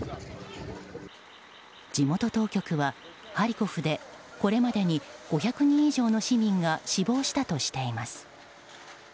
地元当局はハリコフでこれまでに５００人以上の市民が死亡したとしています。